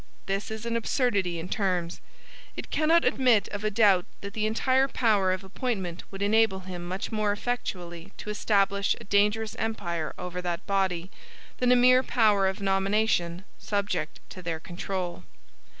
This is an absurdity in terms. It cannot admit of a doubt that the entire power of appointment would enable him much more effectually to establish a dangerous empire over that body, than a mere power of nomination subject to their control.